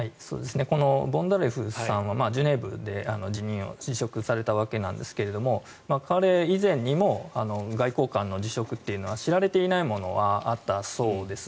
このボンダレフさんはジュネーブで辞職されたわけなんですが彼以前にも外交官の辞職というのは知られていないものもあったそうです。